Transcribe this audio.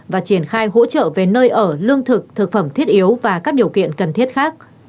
và triển khai hỗ trợ về nơi ở lương thực thực phẩm thiết yếu và các điều kiện cần thiết khác